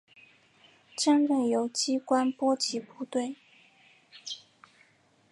争论由机关波及部队。